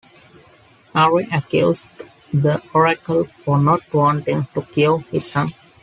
Ari accused the Oracle for not wanting to cure his son.